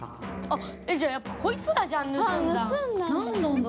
じゃあやっぱこいつらじゃん盗んだの。